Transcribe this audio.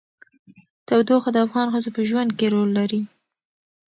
تودوخه د افغان ښځو په ژوند کې رول لري.